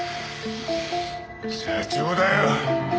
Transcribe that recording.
社長だよ。